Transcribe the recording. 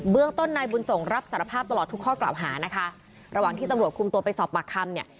ต้นนายบุญส่งรับสารภาพตลอดทุกข้อกล่าวหานะคะระหว่างที่ตำรวจคุมตัวไปสอบปากคำเนี่ย